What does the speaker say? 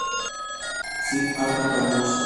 S. African Mus.